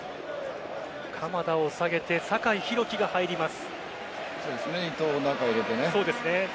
鎌田を下げて酒井宏樹が入ります。